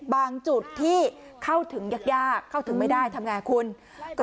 บางจุดที่เข้าถึงยากยากเข้าถึงไม่ได้ทำงานของคุณ